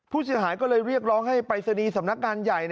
ผู้เสียหายก็เลยเรียกร้องให้ปรายศนีย์สำนักงานใหญ่